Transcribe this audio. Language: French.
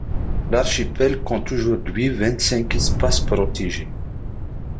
L'archipel compte aujourd'hui vingt-cinq espaces protégés.